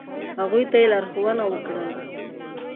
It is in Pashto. ، هغوی ته یی لارښونه وکړه ل